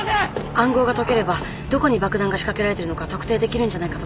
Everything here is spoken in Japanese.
暗号が解ければどこに爆弾が仕掛けられてるのか特定できるんじゃないかと思って。